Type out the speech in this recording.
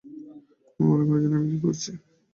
আমি ভালো করেই জানি আমি কি করছি।